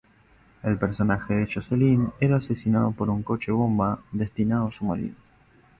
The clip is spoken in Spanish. El personaje de Jocelyn era asesinado por un coche bomba destinado a su marido.